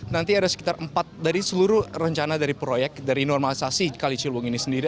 nanti ada sekitar empat dari seluruh rencana dari proyek dari normalisasi kali ciliwung ini sendiri